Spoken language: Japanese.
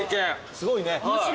すごいね。